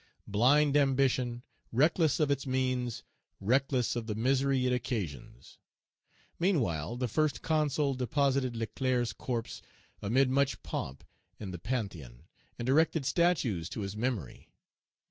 Blind ambition, reckless of its means, reckless of the misery it occasions! Meanwhile, the First Consul deposited Leclerc's corpse, amid much pomp, in the Panthéon, and erected statues to his memory.